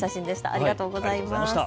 ありがとうございます。